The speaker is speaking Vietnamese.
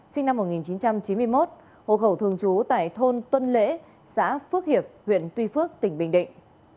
sinh năm một nghìn chín trăm chín mươi một hộ khẩu thường trú tại thôn tuân lễ xã phước hiệp huyện tuy phước tỉnh bình định